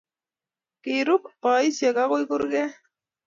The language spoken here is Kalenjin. kirub boisiek agoi kurket